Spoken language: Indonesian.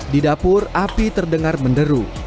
di dapur api terdengar menderu